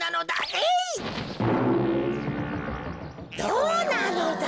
どうなのだ。